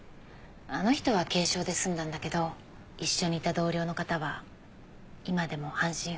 あの人は軽傷で済んだんだけど一緒にいた同僚の方は今でも半身不随のまま。